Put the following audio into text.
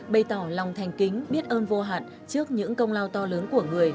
bày tỏ lòng thành kính biết ơn vô hạn trước những công lao to lớn của người